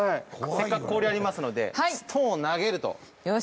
せっかく氷ありますのでストーンを投げると。